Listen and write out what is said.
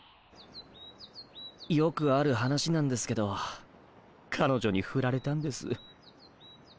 よくある話なんですけど彼女にフラれたんです。